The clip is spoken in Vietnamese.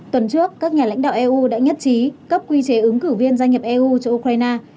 tuần trước các nhà lãnh đạo eu đã nhất trí cấp quy chế ứng cử viên gia nhập eu cho ukraine